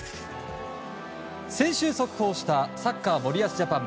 先週、速報したサッカー森保ジャパン。